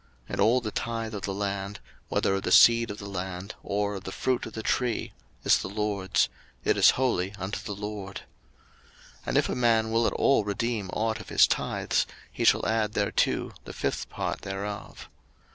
03:027:030 And all the tithe of the land, whether of the seed of the land, or of the fruit of the tree, is the LORD's: it is holy unto the LORD. 03:027:031 And if a man will at all redeem ought of his tithes, he shall add thereto the fifth part thereof.